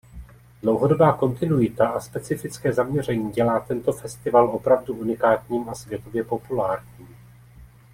Dlouhodobá kontinuita a specifické zaměření dělá tento festival opravdu unikátním a světově populárním.